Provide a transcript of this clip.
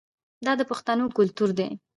دا د پښتنو کلتور دی.